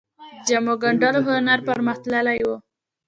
د جامو ګنډلو هنر پرمختللی و